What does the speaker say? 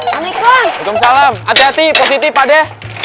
waalaikumsalam hati hati pos hitai pade